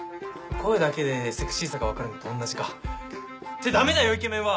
声だけでセクシーさが分かるのと同じか。ってダメだよイケメンは！